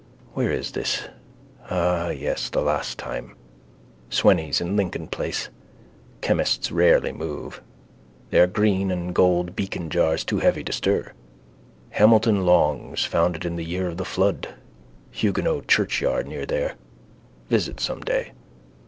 Where is this? Ah yes, the last time. Sweny's in Lincoln place. Chemists rarely move. Their green and gold beaconjars too heavy to stir. Hamilton Long's, founded in the year of the flood. Huguenot churchyard near there. Visit some day.